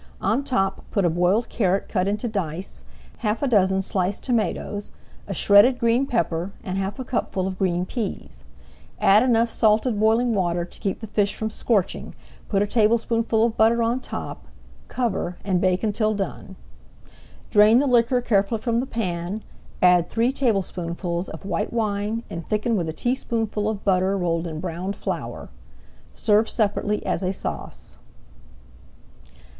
On top put a boiled carrot cut into dice, half a dozen sliced tomatoes, a shredded green pepper, and half a cupful of green peas. Add enough salted boiling water to keep the fish from scorching, put a tablespoonful of butter on top, cover, and bake until done. Drain the liquor carefully from the pan, add three tablespoonfuls of white wine, and thicken with a teaspoonful of butter rolled in browned flour. Serve separately as a sauce.